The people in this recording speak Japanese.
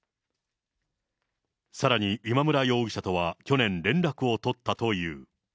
さらに、今村容疑者とは去年、連絡を取ったという。